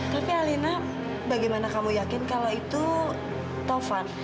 tapi alina bagaimana kamu yakin kalau itu tovan